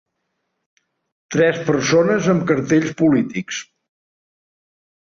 Tres persones amb cartells polítics.